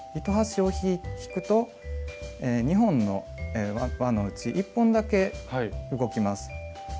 糸端を引くと２本の輪のうち１本だけ動きます。